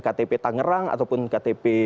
ktp tangerang ataupun ktp